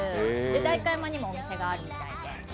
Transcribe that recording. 代官山にもお店があるみたいで。